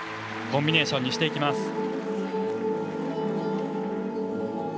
コンビネーションにしていきます。